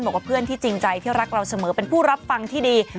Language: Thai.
บอกว่าเพื่อนที่จริงใจที่รักเราเสมอเป็นผู้รับฟังที่ดี